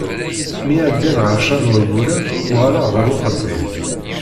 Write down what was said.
Mi ɛeddan ɛecra n wayyuren, uɣaleɣ ɣer uxeddim.